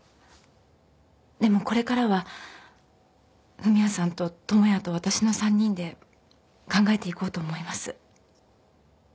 でもこれからは文也さんと智也とわたしの３人で考えていこうと思います。